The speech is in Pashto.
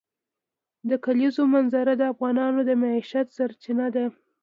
د کلیزو منظره د افغانانو د معیشت سرچینه ده.